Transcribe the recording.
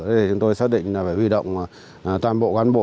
thế thì chúng tôi xác định là phải huy động toàn bộ cán bộ